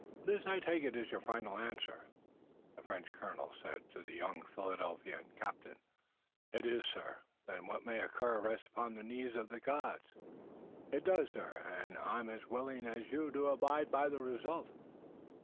"This, I take it, is your final answer," the French Colonel said to the young Philadelphia captain. "It is, sir." "Then what may occur rests upon the knees of the gods." "It does, sir, and I'm as willing as you to abide by the result."